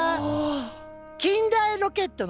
近代ロケットの父